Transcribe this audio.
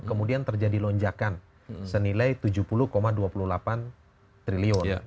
kemudian terjadi lonjakan senilai rp tujuh puluh dua puluh delapan triliun